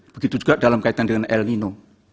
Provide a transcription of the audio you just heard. begitu juga dalam kaitan dengan el nino